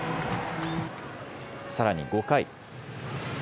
さらに５回。